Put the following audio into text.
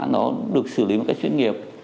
nó được xử lý một cách chuyên nghiệp